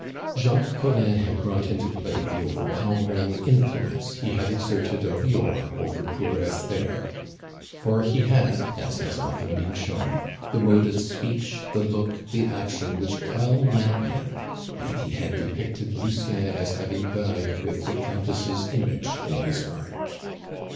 Jacques Collin had brought into play the overpowering influence he had exerted of yore over poor Esther; for he had, as has often been shown, the mode of speech, the look, the action which quell madmen, and he had depicted Lucien as having died with the Countess' image in his heart.